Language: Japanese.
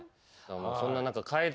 そんな中。